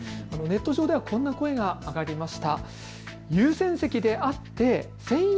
ネット上ではこんな声が上がりました。